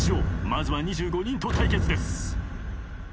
まずは２５人と対決です。